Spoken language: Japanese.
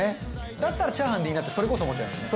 だったらチャーハンでいいなってそれこそ思っちゃいますね。